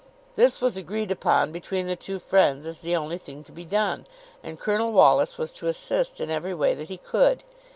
This was agreed upon between the two friends as the only thing to be done; and Colonel Wallis was to assist in every way that he could.